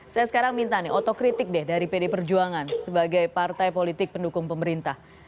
saya sekarang minta nih otokritik deh dari pd perjuangan sebagai partai politik pendukung pemerintah